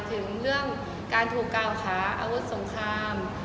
ถึงเรื่องการถูกกล่าวหาอาวุธสงคราม